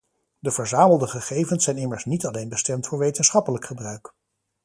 De verzamelde gegevens zijn immers niet alleen bestemd voor wetenschappelijk gebruik.